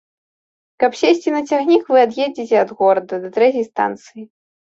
Каб сесці на цягнік, вы ад'едзеце ад горада да трэцяй станцыі.